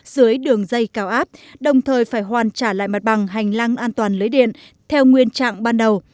dưới đường dây cao áp đồng thời phải hoàn trả lại mặt bằng hành lang an toàn lưới điện theo nguyên trạng ban đầu